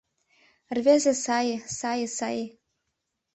Рвезе сае, сае, сае